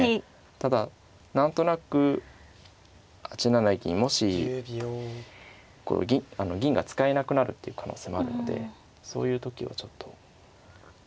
ただ何となく８七銀もしこう銀が使えなくなるっていう可能性もあるのでそういう時はちょっと。